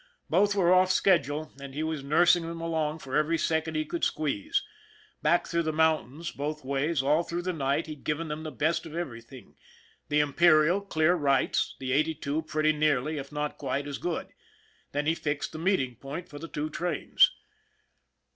Both were off schedule, and he was nursing them along for every second he could squeeze. Back through the mountains, both ways, all through the night, he'd given them the best of every thing the Imperial clear rights, and Eighty Two pretty nearly, if not quite, as good. Then he fixed the meeting point for the two trains.